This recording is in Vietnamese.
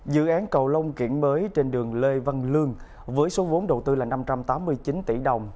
dự án cầu long kiển mới trên đường lê văn lương với số vốn đầu tư là năm trăm tám mươi chín tỷ đồng